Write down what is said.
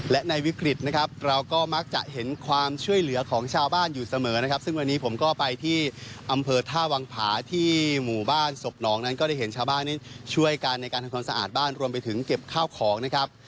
และในวิกฤตนะครับเราก็มักจะเห็นความช่วยเหลือของชาวบ้านอยู่เสมอนะครับซึ่งวันนี้ผมก็ไปที่อำเภอท่าวังผาที่หมู่บ้านศพหนองนั้นก็ได้เห็นชาวบ้านนี้ช่วยกันในการทำความสะอาดบ้านรวมไปถึงเก็บข้าวของนะครับ